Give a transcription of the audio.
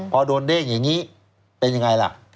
พอโดนเด้งอย่างนี้เป็นยังไงล่ะ